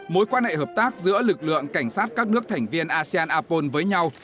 mối quan hệ hợp tác giữa lực lượng cảnh sát các nước thành viên asean apol với nhau